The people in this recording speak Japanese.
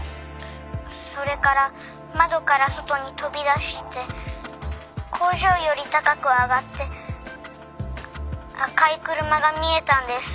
それから窓から外に飛び出して工場より高く上がって赤い車が見えたんです」